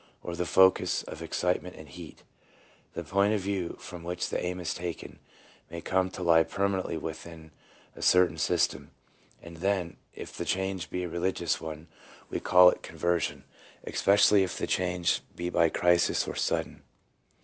... Or the focus of excite ment and heat, the point of view from which the aim is taken, may come to lie permanently within a certain system; and then, if the change be a religious one, we call it conversion, especially if the change be by crisis or sudden."